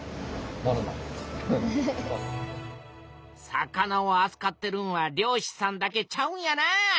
魚をあつかってるんは漁師さんだけちゃうんやな。